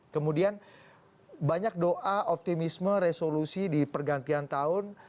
kemudian banyak doa optimisme resolusi di pergantian tahun